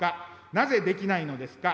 なぜ、できないのですか。